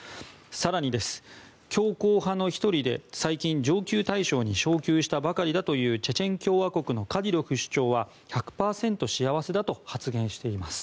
更に強硬派の１人で最近、上級大将に昇級したばかりだというチェチェン共和国のカディロフ首長は１００％幸せだと発言しています。